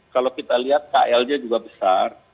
kalau kita lihat kl nya juga besar